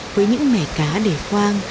với những mẻ cá để khoang